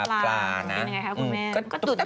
สปาปลาเป็นไงค่ะคุณแม่